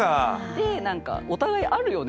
でなんかお互いあるよね？